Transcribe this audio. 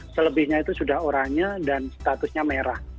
selebihnya itu sudah oranye dan statusnya merah